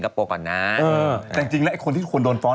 ก็จะก็ฟ้อง